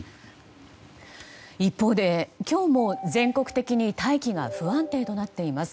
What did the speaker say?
一方で、今日も全国的に大気が不安定となっています。